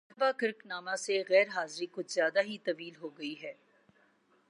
مرتبہ کرک نامہ سے غیر حاضری کچھ زیادہ ہی طویل ہوگئی ہے